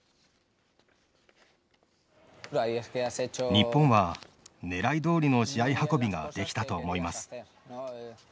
日本は狙いどおりの試合運びができたと思います。